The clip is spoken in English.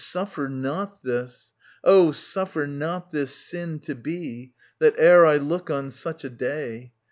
Suffer not this, oh, suffer not this sin To be, that e'er I look on such a day